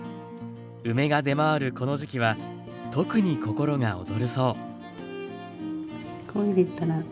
梅が出回るこの時季は特に心が躍るそう。